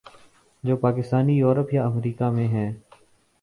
جو پاکستانی یورپ یا امریکا میں ہیں۔